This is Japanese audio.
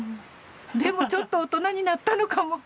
でもちょっと大人になったのかも。